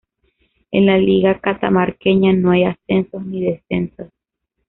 En la Liga Catamarqueña no hay ascensos ni descensos.